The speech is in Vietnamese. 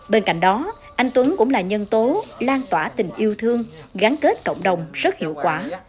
bên cạnh đó anh tuấn cũng là nhân tố lan tỏa tình yêu thương gắn kết cộng đồng rất hiệu quả